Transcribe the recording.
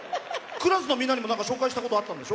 クラスのみんなにも歌ったことあるんでしょ。